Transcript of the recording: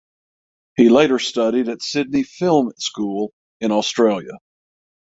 He later studied at Sydney Film School in Australia.